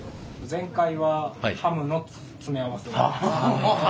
前回はハムの詰め合わせ。